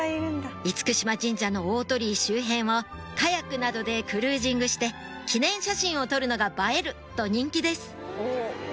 嚴島神社の大鳥居周辺をカヤックなどでクルージングして記念写真を撮るのが映える！と人気です